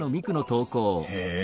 へえ